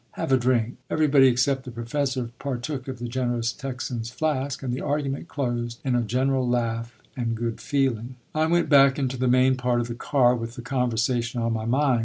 Have a drink." Everybody except the professor partook of the generous Texan's flask, and the argument closed in a general laugh and good feeling. I went back into the main part of the car with the conversation on my mind.